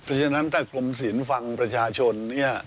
เพราะฉะนั้นถ้าคลมศีลฟังประชาชน